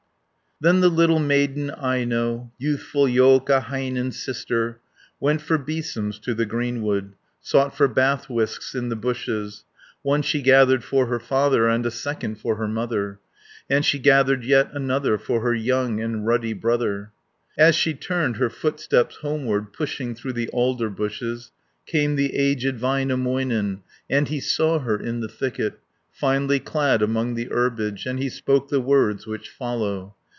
Then the little maiden Aino, Youthful Joukahainen's sister, Went for besoms to the greenwood, Sought for bath whisks in the bushes; One she gathered for her father, And a second for her mother, And she gathered yet another, For her young and ruddy brother. As she turned her footsteps homeward, Pushing through the alder bushes, 10 Came the aged Väinämöinen, And he saw her in the thicket, Finely clad among the herbage, And he spoke the words which follow.